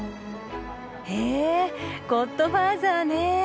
へえ「ゴッドファーザー」ね。